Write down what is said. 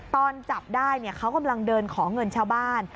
ตอนจับได้เขากำลังเดินขอเงินชาวบ้าน